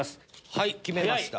はい決めました。